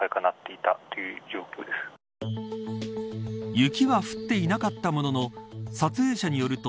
雪は降っていなかったものの撮影者によると